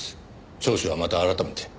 聴取はまた改めて。